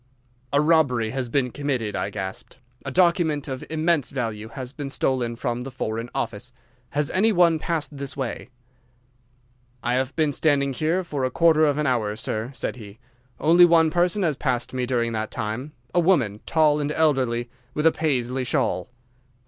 "'A robbery has been committed,' I gasped. 'A document of immense value has been stolen from the Foreign Office. Has any one passed this way?' "'I have been standing here for a quarter of an hour, sir,' said he; 'only one person has passed during that time—a woman, tall and elderly, with a Paisley shawl.